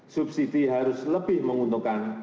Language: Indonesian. subsidi harus lebih menguntungkan